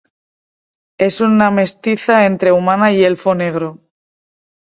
Es una mestiza entre humana y elfo negro.